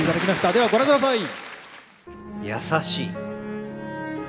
ではご覧ください。